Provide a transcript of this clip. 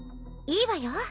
いいわよ。